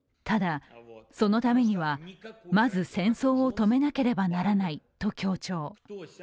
ただ、そのためにはまず戦争を止めなければならないと強調。